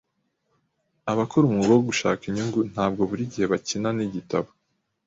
Abakora umwuga wo gushaka inyungu ntabwo buri gihe bakina nigitabo.